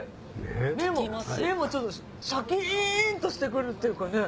目もちょっとシャキンとしてくるっていうかね。